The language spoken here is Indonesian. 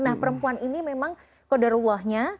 nah perempuan ini memang kodarullahnya